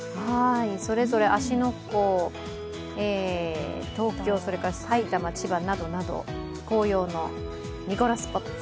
それぞれ芦ノ湖、東京、埼玉、千葉などなど紅葉の見頃スポット。